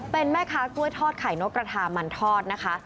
เป็นแม่ค้ากล้วยทอดไข่นกกระทามันทอดนะคะ